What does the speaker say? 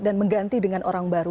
dan mengganti dengan orang baru